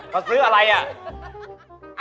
มาซื้ออะไรอ่ะ